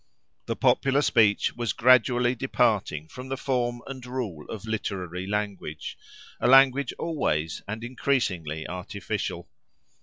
The popular speech was gradually departing from the form and rule of literary language, a language always and increasingly artificial.